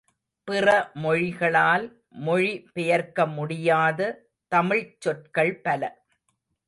பிற மொழிகளால் மொழி பெயர்க்க முடியாத தமிழ்ச் சொற்கள் பல.